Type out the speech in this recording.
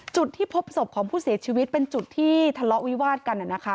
จุดที่พบศพของผู้เสียชีวิตเป็นจุดที่ทะเลาะวิวาดกัน